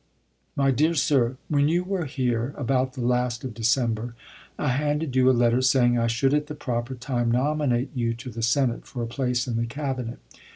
My Dear Sir: When you were here, about the last of December, I handed you a letter saying I should at the proper time nominate you to the Senate for a place in the Cabinet.